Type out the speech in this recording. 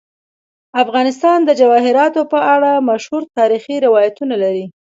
افغانستان د جواهرات په اړه مشهور تاریخی روایتونه لري.